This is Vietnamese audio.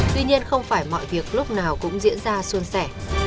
tuy nhiên không phải mọi việc lúc nào cũng diễn ra xuân sẻ